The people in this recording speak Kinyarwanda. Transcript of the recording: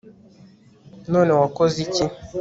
none wakoze iki